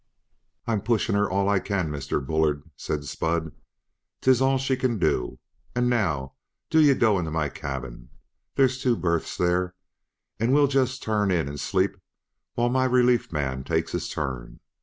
"I'm pushin' her all I can, Mr. Bullard," said Spud. "'Tis all she can do.... And now do ye go into my cabin there's two berths there and we'll just turn in and sleep while my relief man takes his turn.